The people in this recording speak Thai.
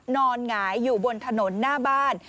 หงายอยู่บนถนนหน้าบ้าน